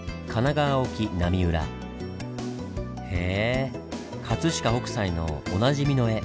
へぇ飾北斎のおなじみの絵